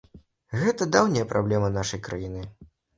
Гэта даўняя праблема нашай краіны.